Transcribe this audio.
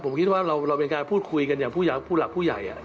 ผมคิดว่าเราเป็นการพูดคุยกันอย่างผู้หลักผู้ใหญ่